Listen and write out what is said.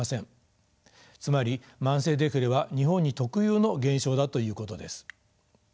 つまり慢性デフレは日本に特有の現象だということです。